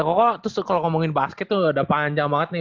ya koko terus kalau ngomongin basket tuh udah panjang banget nih